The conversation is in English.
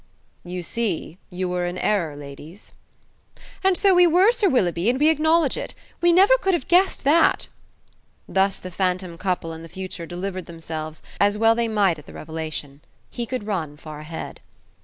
"You see, you were in error, ladies." "And so we were, Sir Willoughby, and we acknowledge it. We never could have guessed that!" Thus the phantom couple in the future delivered themselves, as well they might at the revelation. He could run far ahead.